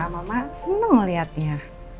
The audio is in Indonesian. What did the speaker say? mama senang liatnya